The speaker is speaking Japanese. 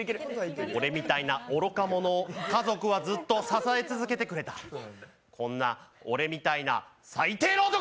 俺みたいな愚か者を家族はずっと支えてくれたこんな俺みたいに最低の男！